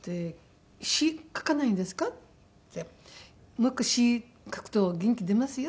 「もう１回詞書くと元気出ますよ」